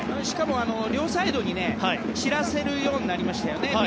しかも、両サイドにね散らせるようになりましたよね。